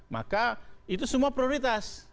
maka itu semua prioritas